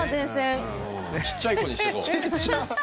ちっちゃい子にしとこう。